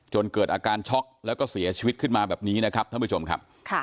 เกิดอาการช็อกแล้วก็เสียชีวิตขึ้นมาแบบนี้นะครับท่านผู้ชมครับ